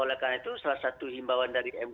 oleh karena itu salah satu himbawan dari mui